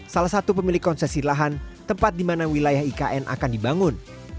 salah satu pemilik konsesi lahan tempat di mana wilayah ikn akan dibangun